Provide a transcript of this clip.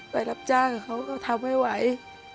ไปรับจ้างเขาก็ทำไม่ไหว